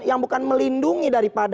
yang bukan melindungi dari pemerintah